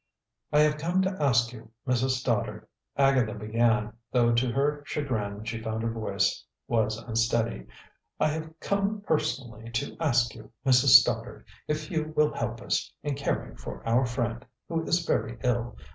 "I have come to ask you, Mrs. Stoddard," Agatha began, though to her chagrin, she found her voice was unsteady "I have come personally to ask you, Mrs. Stoddard, if you will help us in caring for our friend, who is very ill.